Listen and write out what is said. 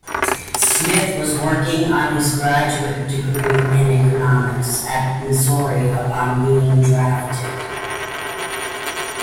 Smith was working on his graduate degree in Economics at Missouri upon being drafted.